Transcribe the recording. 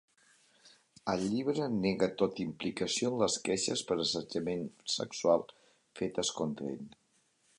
Al llibre, nega tota implicació en les queixes per assetjament sexual fetes contra ell.